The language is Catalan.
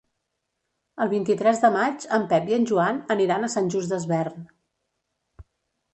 El vint-i-tres de maig en Pep i en Joan aniran a Sant Just Desvern.